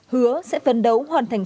hứa sẽ phấn đấu hoàn thành